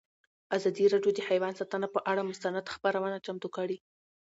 ازادي راډیو د حیوان ساتنه پر اړه مستند خپرونه چمتو کړې.